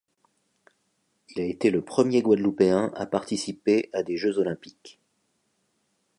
Il a été le premier guadeloupéen à participer à des Jeux olympiques.